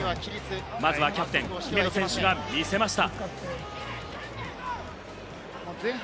まずはキャプテン姫野選手が見せました。